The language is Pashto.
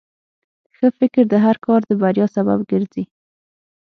ښه فکر د هر کار د بریا سبب ګرځي.